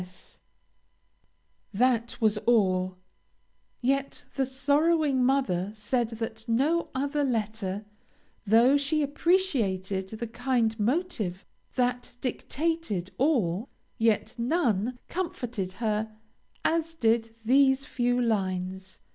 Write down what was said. "S." That was all. Yet the sorrowing mother said that no other letter, though she appreciated the kind motive that dictated all, yet none comforted her as did these few lines.